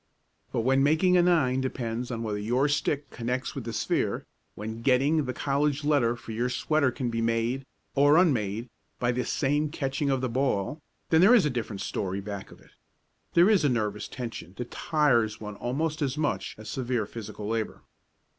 But when making a nine depends on whether your stick connects with the sphere when getting the college letter for your sweater can be made, or unmade, by this same catching of the ball, then there is a different story back of it. There is a nervous tension that tires one almost as much as severe physical labor.